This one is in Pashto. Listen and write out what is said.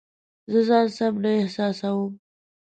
زه ځان سم نه احساسوم